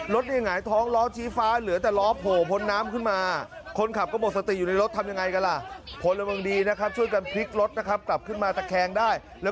รถนี่หายท้องล้อชี้ฟ้าเหลือแต่ล้อโผล่พ้นน้ำขึ้นมา